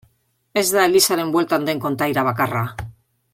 Ez da elizaren bueltan den kondaira bakarra.